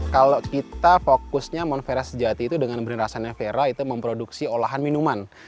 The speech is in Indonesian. kalau kita fokusnya monvera sejati itu dengan brand rasanya vera itu memproduksi olahan minuman